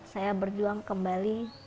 saya berjuang kembali